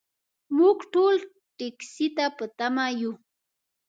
موږ ټول ټکسي ته په تمه یو .